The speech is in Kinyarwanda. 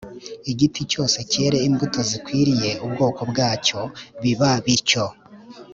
igiti cyose cyere imbuto zikwiriye ubwoko bwacyo.” Biba bityo.